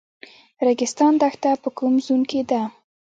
ریګستان دښته په کوم زون کې ده؟